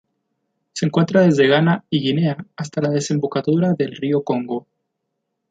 Se encuentra desde Ghana y Guinea hasta la desembocadura del río Congo.